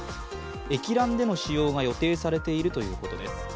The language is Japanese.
液卵での使用が予定されているということです。